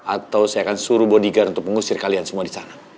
atau saya akan suruh bodyguard untuk mengusir kalian semua disana